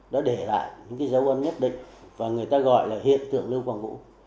đó để lại những cái dấu âm nhất định và người ta gọi là hiện tượng lưu quang vũ